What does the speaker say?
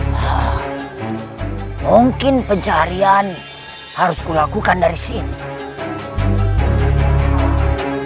jangan lupa like share dan subscribe ya